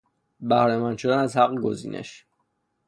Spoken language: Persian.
بهرهمند شدن از حق گزینش